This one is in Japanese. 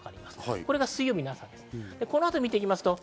これが明日の朝です。